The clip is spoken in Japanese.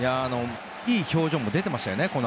いい表情も出てましたね。